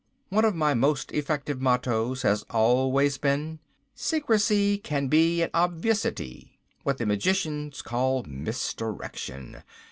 One of my most effective mottoes has always been, "Secrecy can be an obviousity." What the magicians call misdirection.